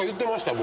僕。